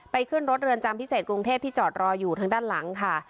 ขึ้นรถเรือนจำพิเศษกรุงเทพที่จอดรออยู่ทางด้านหลังค่ะ